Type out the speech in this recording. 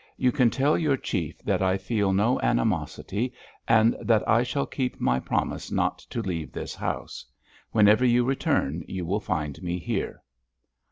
"You can tell your chief that I feel no animosity and that I shall keep my promise not to leave this house. Whenever you return you will find me here."